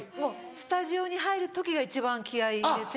スタジオに入る時が一番気合入れて。